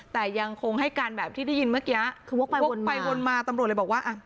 แต่ยังคงให้การแบบที่ได้ยินเมื่อกี้คือวกไปวกไปวนมาตำรวจเลยบอกว่าอ่ะ